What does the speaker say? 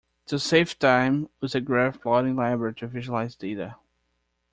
To save time, use a graph plotting library to visualize data.